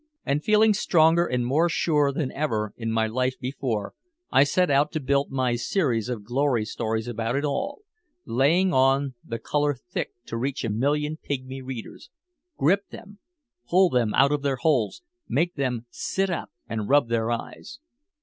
And feeling stronger and more sure than ever in my life before, I set out to build my series of glory stories about it all, laying on the color thick to reach a million pigmy readers, grip them, pull them out of their holes, make them sit up and rub their eyes.